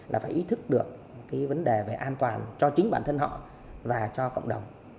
là phải ý thức được cái vấn đề về an toàn cho chính bản thân họ và cho cộng đồng